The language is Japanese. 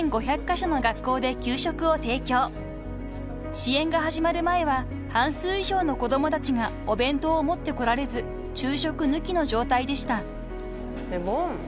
［支援が始まる前は半数以上の子供たちがお弁当を持ってこられず昼食抜きの状態でした］